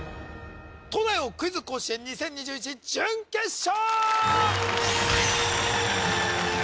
東大王クイズ甲子園２０２１準決勝！